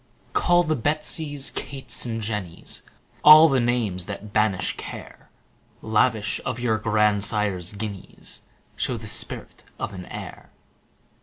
Call the Betsies, Kates, and Jennies, All the names that banish care; 10 Lavish of your grandsire's guineas, Show the spirit of an heir.